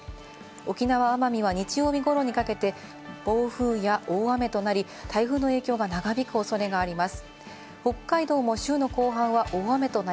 沖縄・奄美は日曜日ごろにかけて暴風や大雨となり、台風の影響が長引く恐れがあります。